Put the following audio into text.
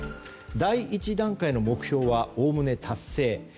第１段階の目標はおおむね達成。